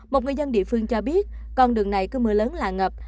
một người dân địa phương cho biết con đường này cứ mưa lớn là ngập